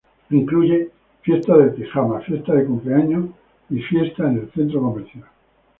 Incluye Fiesta del pijama, Fiesta de cumpleaños, y Fiesta en el centro comercial.